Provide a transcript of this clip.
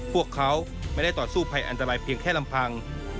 พวกเขาไม่ได้ต่อสู้ภัยอันตรายเพียงแค่ลำพัง